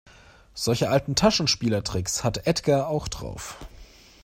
Solche alten Taschenspielertricks hat Edgar auch drauf.